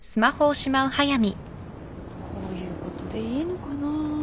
こういうことでいいのかな？